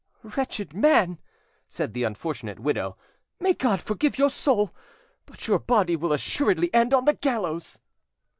"Wretched man," said the unfortunate widow, "may God forgive your soul; but your body will assuredly end on the gallows!"